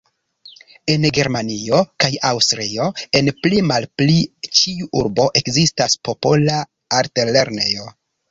En Germanio kaj Aŭstrio, en pli-malpli ĉiu urbo ekzistas popola altlernejo.